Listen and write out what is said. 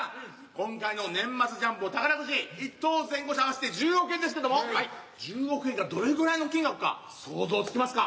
今回の年末ジャンボ宝くじ１等・前後賞合わせて１０億円ですけども１０億円がどれぐらいの金額か想像つきますか？